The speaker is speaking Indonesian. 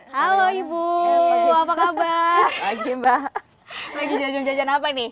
halo ibu apa kabar lagi mbak lagi jajan jajan apa nih